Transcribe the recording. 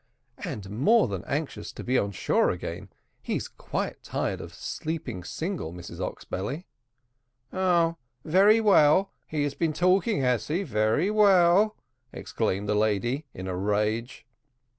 "And more than anxious to be on shore again. He's quite tired of sleeping single, Mrs Oxbelly." "Ah, very well, he has been talking, has he? very well," exclaimed the lady in a rage.